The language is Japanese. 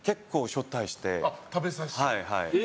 食べさせて？